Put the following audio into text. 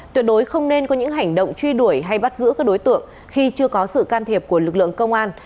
tuyệt đối không nên có những hành động truy đuổi hay bắt giữ các đối tượng khi chưa có sự can thiệp của lực lượng công an